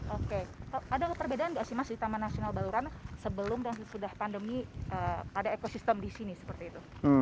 oke ada perbedaan nggak sih mas di taman nasional baluran sebelum dan sudah pandemi ada ekosistem di sini seperti itu